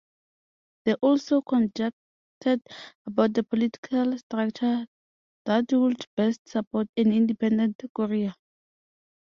They also conjectured about the political structure that would best support an independent Korea.